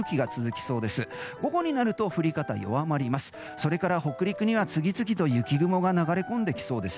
それから北陸には次々と雪雲が流れ込んできそうです。